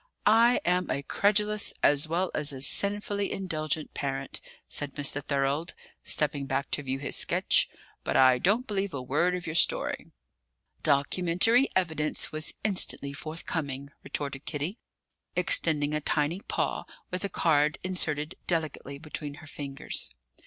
"I am a credulous as well as a sinfully indulgent parent," said Mr. Thorold, stepping back to view his sketch; "but I don't believe a word of your story." "'Documentary evidence was instantly forthcoming,'" retorted Kitty, extending a tiny paw with a card inserted delicately between her fingers.